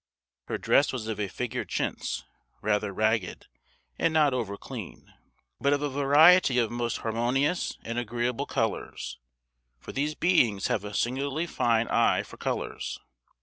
Her dress was of a figured chintz, rather ragged, and not over clean, but of a variety of most harmonious and agreeable colours; for these beings have a singularly fine eye for colours.